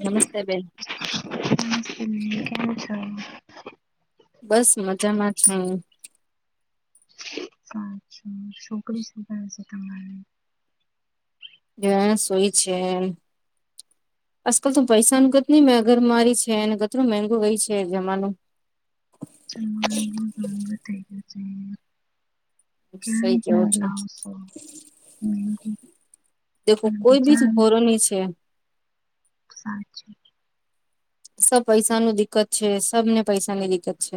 નમસ્તે બેન. [unintelligible] બસ મજામાં છું. સાચ્છા છોકરી છોકરા છે તમે? હ સોય છે એમ. આજકાલ તો પૈસાનું કત નહી મેંગર મારી છે અનેને કતરું મગું ગય છે જમાનું. [unintelligible] [unintelligible] કેણે સઈ કે કેવો છે લાવસો. દખો કોઈ બી હોરો ન છે. સાચી. સબ પૈસાનું દિકકત છે સબને પૈસાની દિક્કત છે.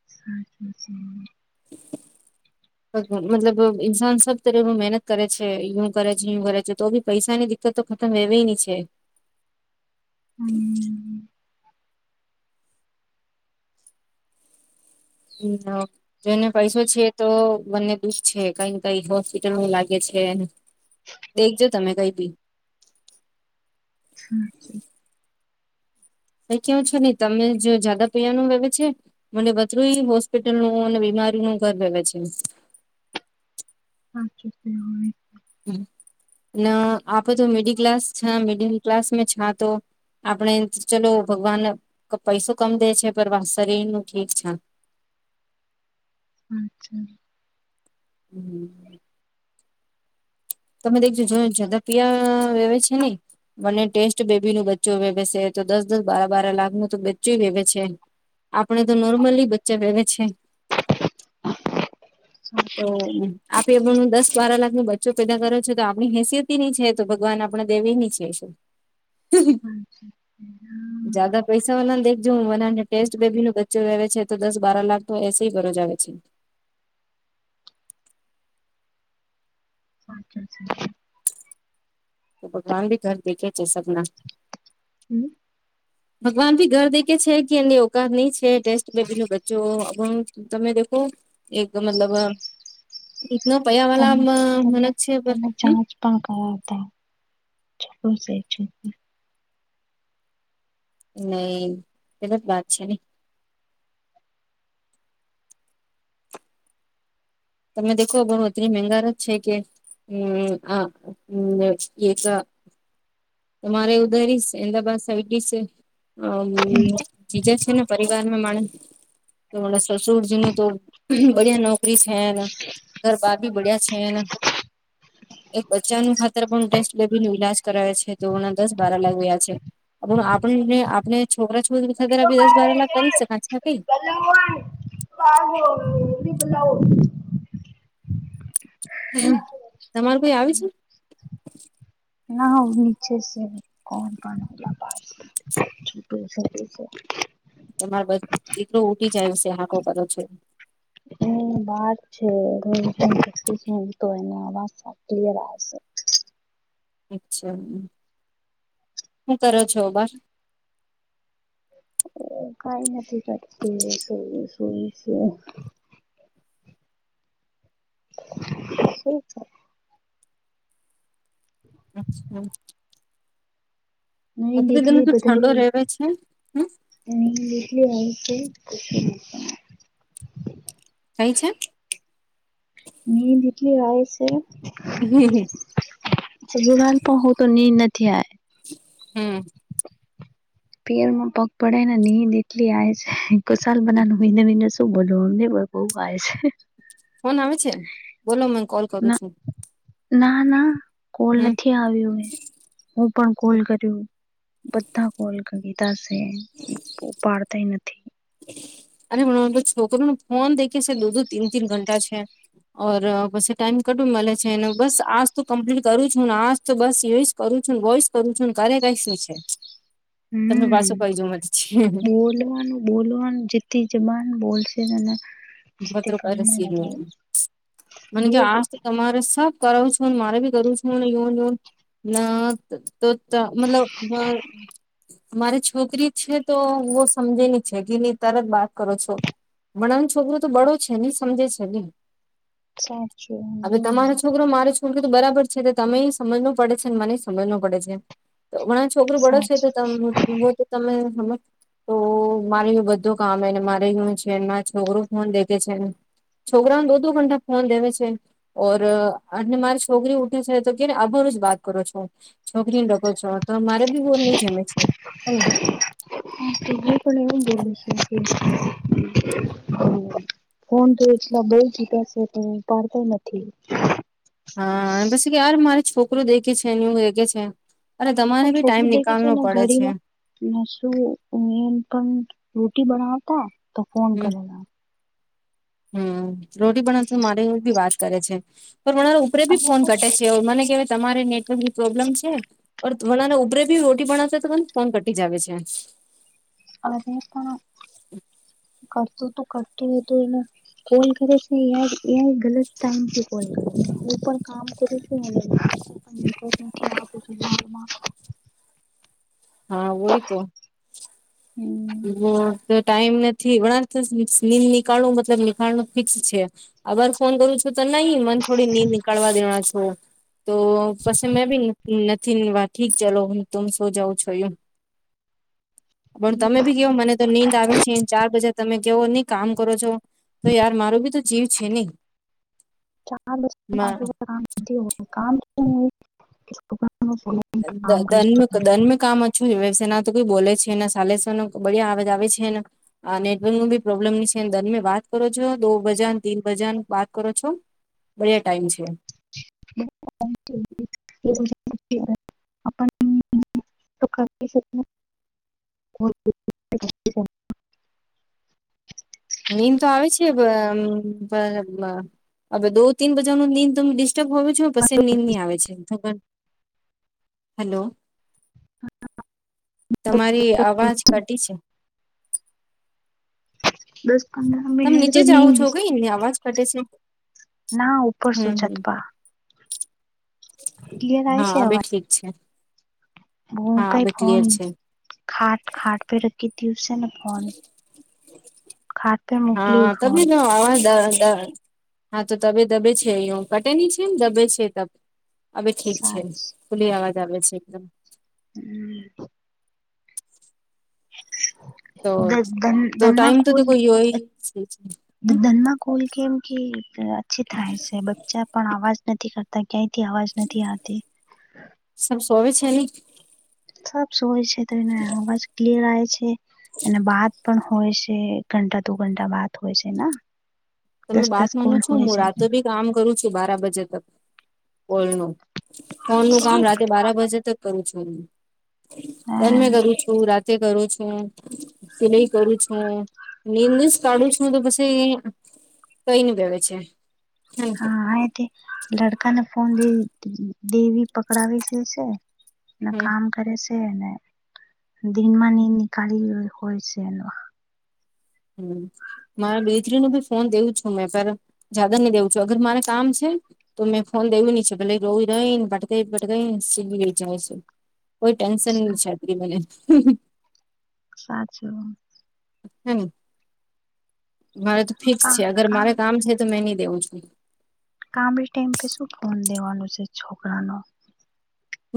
[inaudible] મતલબ ઇન્સાન સબ તરે મહેનત કરે છે યું કરે છે યુ કરે છે તો બી પૈસા નની તો ખતમ હવી ની છે. હમ. [inaudible] હમ. [inaudible] જેને પૈસો છે એતો મને દુખ છે કઈને કઈ હોસ્પિટલમાં લાગે છે ને દેખજો તમે કઈ બી. હા. [inaudible] કેવું છે ને તમે જે જગા પિયાનું વવે છે. મને વધધું હોસ્પિટલ ન અને બીમારી ન ઘર રહેવે છે. અચ્છાય. [inaudible] ન આપડે તો મિડલ ક્લાસ છ મિડલ ક્લાસમાં છ તો. આપણે ચલો ભગવાન પૈસો કમ દે છે પર શરીર નું ઠીક છે. અચ્છા. હમ. તમે દેખજો જો જાદા પિયા વેવે છે ને. મને ટેસ્ટ બેબી નું બચ્ચું વેવે છે તો દસ દસ બાર બાર લાખ નું તો બચ્ચું વેવે છે. આપડે તો નોર્મલી બચ્ચા વહેવે છે. [inaudible] તો સાચું છે આપે પણું દસ બાર લાખ નું બચ્ચું પેદા કરો છો તો આપણી હેસિયતી ની છે તો ભગવાન આપણા દેવી ની છે શું. અચ્છા હમ [inaudible] દેખજના ટેસ્ટ બેબી નો બચ્ચો રહેવે છે તો દસ બાર લાખ તો એસે ભરોજ આવે છે. અચ્છા ભગવાન બી ઘર દેખે છે સબના. હમ ભગવાન ભી ઘર દે કે છે કે એની ઓકાત નહી છે ટેસ્ટ બેબી નું બચ્ચુ તમે દખો એક મતલબ ઈતના પયા વાળા તમે મન તમે જ છે હમ [inaudible] નહી ગલત બાત છે ને. તમે દેખો ઘણું એટલી મેઘર જ છે કે હમ આ એક તમારે ઉધરી શે અમદાબાદ સાઈડ બી શે? અમ બીજા છે ને પરિવારમાં માણસ હણા સરસુડજી નું તો બડિયા નોકરી છે એને ઘરબાર બી બડીયા છે ન એક બચ્ચાનું ખાતર પણ ટેસ્ટ બેબી નું ઈલાજ કરાવે છે તેઓના દસ બાર લાખ વયા છે. આપણને આપણે છોકરા છોકરી ખગરી દસ બાર લાખ કરી શક છે ક? ક [inaudible] બલાઓ [inaudible] તમારું કોઈ આવી છે? ના નીચે છે કોણ પણ [inaudible] તમારે બસ એટલું ઉટી જાય છે હાકો કરો છો વા છેશે અચ્છા હું કરો છો બાર કઈ નથી કરતી [inaudible] છે [inaudible] અચ્છા [inaudible] નીંદ એત્રી દન એટલી ઠંડો રહે બધારી છે હ? છે [inaudible] કઈ છે? નનીદટલી હ છે હમ હ સ જોવાન પ હું તો નિની ન થાય હમ પેરમાં પગ પડે ને નીંદ એટલી આવે છે ઘસાલ બના તું બોલોને બહુ કાય છે ફોન આવે છે બોલો મને કોલ કરું ના છું ના ના કોલ હમ નથી આવ્યું મે હું પણ કોલ કર્યું બધા કોલીધ પાડતાય નથી અનેરે છોકરો ન ફોન દેખે છે લુંધું તીન તીન ઘંટા છે ઓર પછી ટાઈમ કટું મળે છેને બસ આજ તો કમ્પ્લીટ કરું છ હું ને આજ તો બસ એય કરું છું ને વોઈસ કરું છું ક કઈ શું છે તમે હમ પાછું કઈ જોમ જ છી બોલવાનું બોલ જતી જબાન બોલશે એના ત રૂપિયા રસી લ એ મને બો કે આજ તો તમારે સબ [unintelligible] કરાવું છું અને મારે બી કરું છું અનેને યોન ન [unintelligible] ના તો મતલબ હ મારી છોકરી છે તો હ સમજેની છે કેી નની તરત બાત કરો છો [unintelligible] વણાને છોકરો તો બળો છે નહી સમજે છે નને સાચું [unintelligible] હવે હમ તમારો છોકરો મારે છો શુ કીધું બરાબર છે તમે સમજવું પડે છેને મને સમજવું પડે છે તો છોકરું બળો છે તો સાચું ત હો [unintelligible] તમે સમજ તો મારે એ બધું કામને મારે એવુ છે મા છોકરો ફોન દેખે છે છોકરાઓને દોધો ઘંા ફોન દેવે છે [unintelligible] ઓર અને મારી છોકરી ઉઠે છે તો કેને આભારું જ વાત કરો છો [unintelligible] છોકરી ને ડકો છો તો મારે બી બહ નઈ જમે છે હે [unintelligible] હ પણ એવું બે [unintelligible] ફોન તો એટલા બ જુ્યા છે તો પાાડતો નથી [unintelligible] હા પછી યાર મારે છોકરો દેખે છે ન્યુ દેખે છે અરે તમારે બી ટાઈમ છોકરું દેખે છે નનીિકાલનો ને પડે છે ઘડીમાં શું મેન પણ રોટી બનાવતા તો ફોન હમ કરેલા હમ રોટી પણના મારે બી વાત કરે છે પણ પણરા ઉપરે બી અરે ફોન પણ ઘટે છે મને કેહેવાય તમારે નેટવર્કની પ્રોબ્લેમ છે. ઓ વનાને ઉપરે ભી રોટી બનાવશે તોમ ફોન કટી જાવ છે [unintelligible] અ કડ તોું કડું એ તોું એને કોલ કરે છે ગત ટાઈમથી કોલ કરે કામ કરું છે કોશમાં [unintelligible] હા હોય તો હમ હ તો ટાઈમ નથી વણા નીંદ નીકાાળું મતલબ લખાણ નું ફિક્સ છે [inaudible] [unintelligible] આભર ફોન કરું છું તો નહી મને થોડી ની નીકળવા દેણા છો. તો પછી મેં ભી નથી ને વા ઠીક ચાલ હ તમ સોજાવં છોય. તમે ભી કયો મને. તો નીંદ આવે છે ચાર બજે તમે જઓ નહી કામ કરો છો તો યાર મારું બી તો જીવ છે નહી ચારસ કામ કામ [unintelligible] [inaudible] કરી ધન્મ શકું ધનમ કામ શુંસેના તો કોઈ બોલે છે ને સાલેસવ બિયાજ આવે છે ને [unintelligible] નેટવર્ક ન બી પ્રોબ્લેમ ન છે તમે વાત કરો છો દો બજાર તીન બજાર વાત કરો છો બે ટાઈમ છે. [inaudible] [inaudible] નીંદ તો આવે છે હવે દો તીન બજા ન નીંદ ડિસ્ટર્બ હો જો પછ નીંદની આવે છે. હેલો તમારી અવાજ ઘટી છે. બસ. [inaudible] તમે અ નીચે તો જ આવો છો કઈ અવાજ કટે છે ના ઉપર [inaudible] હમ હમ ક્લિયર આવે છે આવાજ. અચ્છા. ભૂ કઈ ફોન છે ખાટ ખાટ પે રખી હતીીસે ન. પે હા મોકલ્યું ફોન તી નવા દ. [unintelligible] હા તો તબ દબે છે અહી પટેની છેમ દબે છે. હવે ઠીક છે સાચ ખુલ્લી અવાજ આવે છે એકદમ. હમ્મ. તો ધન તો ધનમાં ટાઈમ તો ખોલ કોઈ હોય ધનમાં કૂલ કેમ કે અછી થાય છે બચ્ચા પણ અવાજ નથી કરતા. ક્યાંયથી અવાજ નથી આવતી. સર સોવે છે. સબ સોયે છે. ત એને આવાજ ક્લીયર આવે છે. અને બાદ પણ હોય છે, ઘંટા દુ ઘંટા બાદ હોય છે. તમે દસ બાત દસ કોલ માનું છો હોય હું છે રાતો બી કામ કરું છુ. બાર બજે તક કોલ પર. ફોન નું કામ શું રાતે બાર વાજે તક કરું છું હું દન્ મે કરું છુ. રાત તે કરું છો તે નઈ કરું છું નિમને જ કાઢું છું તો પછી કઈ ન ભવે છે. હા, એથી લડકાને ફોન દેવી પકડાવી જશે. હમ કામ કરે છે ને? દિનમા નીંદ નિકાલી છે ન. [inaudible] મારે બેતરી ન ભી ફોન દેવું છું મેં જદા નહી દેવું છું અગર મારે કામ છે. તો મેં ફોન દેવું હી છે, ભલે રો રહી ને પટકાઈ પટકાઈને સીલી ગઈ જાય છે. કોઈ ટેન્શન ના છે મને. સાચુ. હે ને મારે તો ફિક્સ છે અગર મારે કામ છે તો મે નઈ દેવું છુ. કામડી ટાઈમ પ શું ફોન દેવાનું છે છોકરા ન.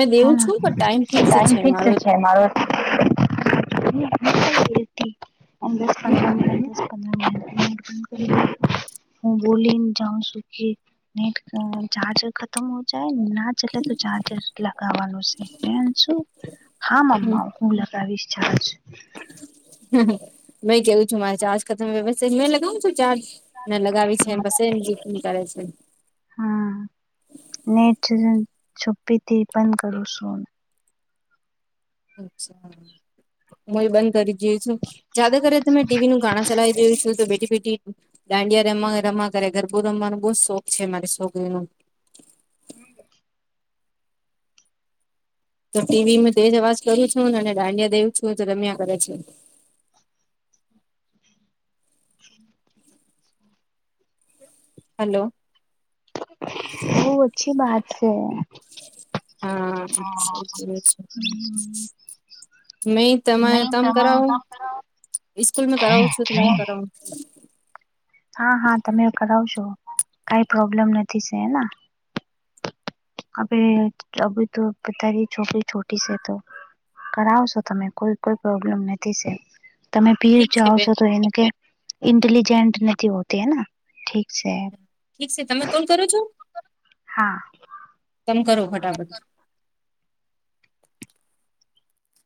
મેં હે દેવું છું પણ ટાઈમ એ ફિક્સ ગાડી છે ઠીક છે. મારો [inaudible] પંદ મ કરી હું બોલીને જાઉ છુ. કે નેટ ચાર્જર ખતમ હો જાય ના ચલે તો ચાર્જર લગાવવાનું છે. હા મમ્મા હું લગાવી ચાર્જ. મેં કેવું છું મારે ચજકા ત વ્યવસ્થાય મેં લગાવું છુ. ચારજ ને લગાવી પછી બ એમ નિકાડે છે. હા નેટ છુપ્પી થી પણ કરું છુ. અચ્છા હું એ બંધ કરી દ છુ. જદા કરરે તમે ટીવી નું ગાણા ચલાવી દું છુ. તો બેટી બેટી દાંડિયા રમવા રમા કરે ગરબું રમવાનો બહુ જ શોખ છે. મારે સોકરી નુ. [inaudible] તો ટીવી તેજ અવાજ કરું છું ને અને દાંડિયા દેવું છું તો રમ્યા કરે છે. હલો. બહ અચ્છી વાત છે. હા છે. મે તમે નહી તમ તમારું કરાવો કામ કરાવો સ્કૂલમાં કરાવું છો. તો મે કરાવુ હા, હા તમે કરાવશો કઈ પ્રોબ્લેમ નથી છેના. અબે અભી તો બતારી છોકરી છોટી છે. તો કરાવશો તમે કોઈ કોઈ પ્રોબ્લેમ નથી સ તમે પીર ઠીક છે જાઓ બેન છો તો એને ક ઇન્ટેલિજન્ટ નથી હોતી હેના ઠીક છે. ઠીક છે તમે કોણ કરો છો. હા તમે કરો ફટાફટ